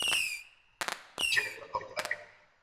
জেলে পোরা হবে তোমাকে।